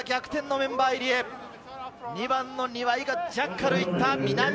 メンバー入りへ、２番・庭井がジャッカルに行きました。